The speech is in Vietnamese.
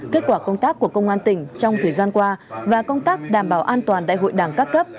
kết quả công tác của công an tỉnh trong thời gian qua và công tác đảm bảo an toàn đại hội đảng các cấp